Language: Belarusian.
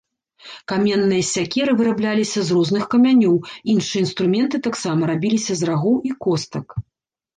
Каменныя сякеры вырабляліся з розных камянёў, іншыя інструменты таксама рабіліся з рагоў і костак.